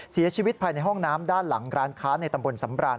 เสียชีวิตภายในห้องน้ำด้านหลังร้านค้าในตำบลสำราน